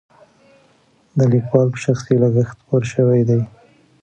د لیکوال په شخصي لګښت خپور شوی دی.